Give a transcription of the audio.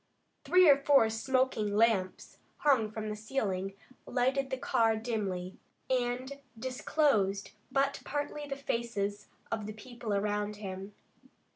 Three or four smoking lamps, hung from the ceiling, lighted the car dimly, and disclosed but partly the faces of the people around him.